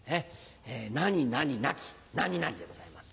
「何々なき何々」でございます。